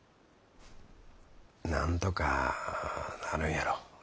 なんとかなるんやろ。